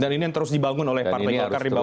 dan ini yang terus dibangun oleh partai golkar di bawah